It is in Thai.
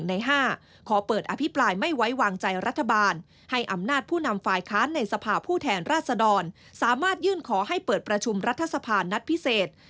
ใน๕ขอเปิดอภิปรายไม่ไว้วางใจรัฐบาลให้อำนาจผู้นำฝ่ายค้านในสภาพผู้แทนราชดรสามารถยื่นขอให้เปิดประชุมรัฐสภานัดพิเศษ